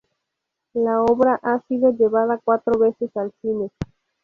La obra ha sido llevada cuatro veces al cine.